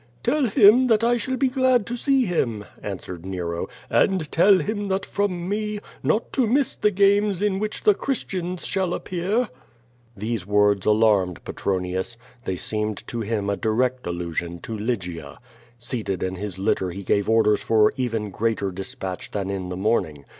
Tell him that I shall be glad to see him," answered Nero, "and tell him that from me, not to miss the games in which the Christians shall appear." These words alarmed Petronius. They seemed to him a di rect allusion to Lygia. Seated in his litter he gave orders for even greater dispatch than in the morning.